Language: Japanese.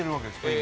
今。